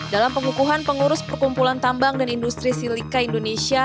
dalam pengukuhan pengurus perkumpulan tambang dan industri silika indonesia